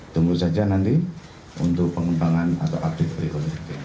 tunggu saja nanti untuk pengembangan atau update berikutnya